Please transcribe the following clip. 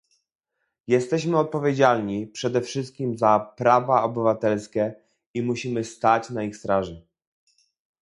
Jesteśmy odpowiedzialni przede wszystkim za prawa obywatelskie i musimy stać na ich straży